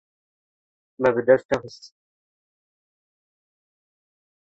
Me bi dest nexist.